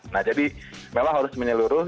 nah jadi memang harus menyeluruh